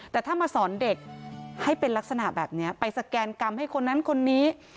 แต่ถ้ามาสอนเด็กให้เป็นลักษณะแบบนี้ไปสแกนกรรมให้คนนั้นคนนี้